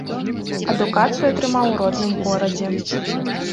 Адукацыю атрымаў у родным горадзе.